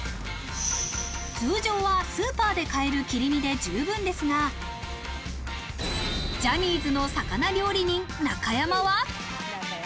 通常はスーパーで買える切り身で十分ですが、ジャニーズの魚料理人・中山は。